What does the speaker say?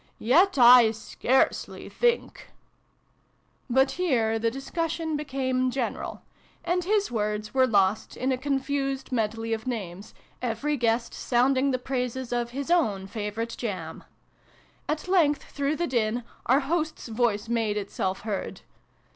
Yet I scarcely think But here the discussion became general : and his words were lost in a confused medley of names, every guest sounding the praises of his own favorite jam. At length, through the din, our host's voice made itself heard.